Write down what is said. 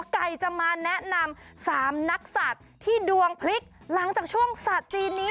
ไก่จะมาแนะนำ๓นักสัตว์ที่ดวงพลิกหลังจากช่วงศาสตร์จีนนี้